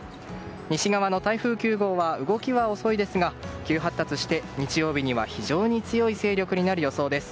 西側の台風９号は動きは遅いですが急発達して日曜日には非常に強い勢力になる予想です。